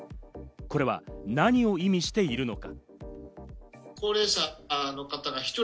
これは何を意味しているのか？